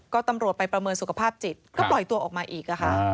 ก็ตำรวจไปประเมินสุขภาพจิตก็ปล่อยตัวออกมาอีกค่ะ